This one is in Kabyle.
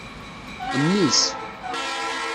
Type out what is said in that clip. Mmi-s.